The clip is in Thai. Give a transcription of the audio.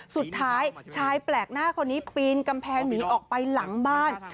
สุดท้ายชายแปลกหน้าคนนี้ปีนกำแพงหนีออกไปหลังบ้าน